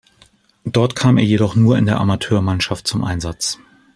Dort kam er jedoch nur in der Amateurmannschaft zum Einsatz.